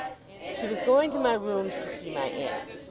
She was going to my rooms to see my aunt.